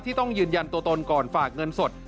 ต้องยืนยันตัวตนก่อนฝากเงินสด